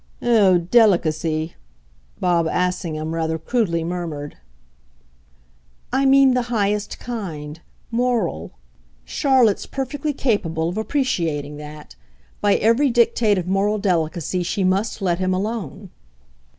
"Oh delicacy!" Bob Assingham rather crudely murmured. "I mean the highest kind moral. Charlotte's perfectly capable of appreciating that. By every dictate of moral delicacy she must let him alone."